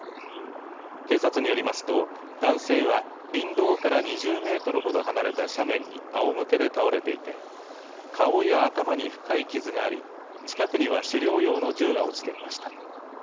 警察によりますと、男性は林道から２０メートルほど離れた斜面にあおむけで倒れていて顔や頭に深い傷があり近くには狩猟用の銃が落ちていました。